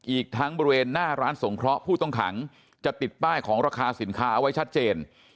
อีกทั้งบริเวณหน้าร้านสงเคราะห์ผู้ต้องขังจะติดป้ายของราคาสินค้าเอาไว้ชัดเจน